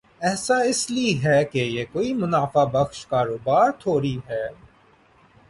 ایسا اس لئے ہے کہ یہ کوئی منافع بخش کاروبار تھوڑی ہے۔